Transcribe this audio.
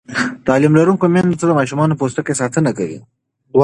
تعلیم لرونکې میندې د ماشومانو د پوستکي ساتنه کوي.